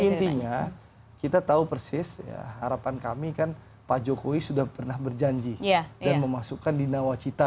intinya kita tahu persis harapan kami kan pak jokowi sudah pernah berjanji dan memasukkan di nawacita